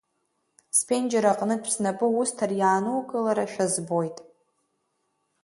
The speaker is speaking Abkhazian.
Сԥенџьыр аҟнытә снапы усҭар, иаанукыларашәа збоит.